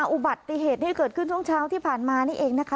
อุบัติเหตุที่เกิดขึ้นช่วงเช้าที่ผ่านมานี่เองนะคะ